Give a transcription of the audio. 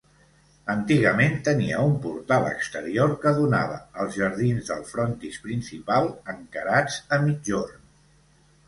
Antigament, tenia un portal exterior que donava als jardins del frontis principal, encarats a migjorn.